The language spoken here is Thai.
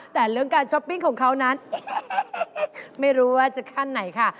แต่เรื่องการช้อปปิ้งของเขานั้นไม่รู้ว่าจะขั้นไหนค่ะ